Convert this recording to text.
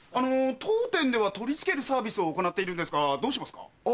当店では取り付けるサービスを行っているんですがどうしますか？